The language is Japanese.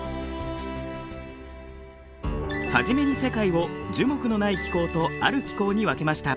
初めに世界を樹木のない気候とある気候に分けました。